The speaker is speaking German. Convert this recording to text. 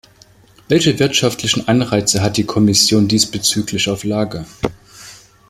Welche wirtschaftlichen Anreize hat die Kommission diesbezüglich auf Lager?